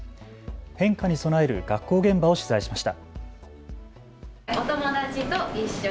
変化に備える学校現場を取材しました。